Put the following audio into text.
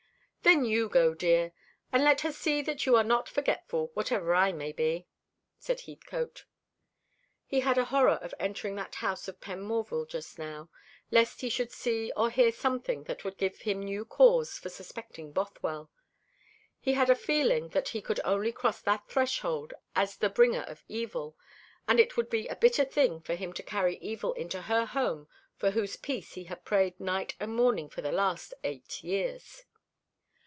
"Then you go, dear, and let her see that you are not forgetful, whatever I may be," said Heathcote. He had a horror of entering that house of Penmorval just now, lest he should see or hear something that would give him new cause for suspecting Bothwell. He had a feeling that he could only cross that threshold as the bringer of evil: and it would be a bitter thing for him to carry evil into her home for whose peace he had prayed night and morning for the last eight years.